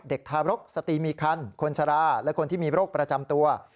เด็กทารกษติมีคันคนสาราและคนที่มีโรคประจำตัว